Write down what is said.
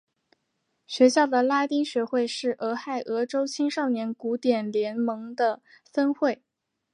学校的拉丁学会是俄亥俄州青少年古典联盟的分会。